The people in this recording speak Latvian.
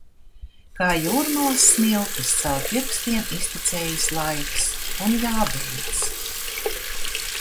Kā jūrmalas smiltis caur pirkstiem iztecējis laiks un jābeidz.